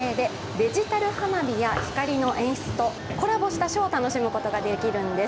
それが現在、期間限定でデジタル花火や光の演出とコラボしたショーを楽しむことができるんです。